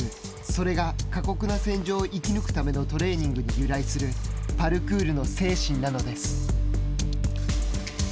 それが過酷な戦場を生き抜くためのトレーニングに由来するパルクールの精神なのです。